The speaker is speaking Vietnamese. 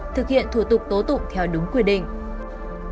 thực hiện thủ tục tố tụng theo đúng quy định